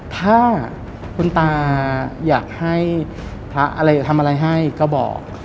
ถ้าคุณตาอยากให้พระอะไรทำอะไรให้ก็บอก